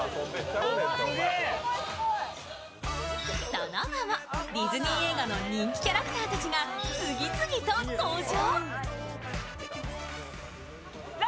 その後もディズニー映画の人気キャラクターたちが次々と登場。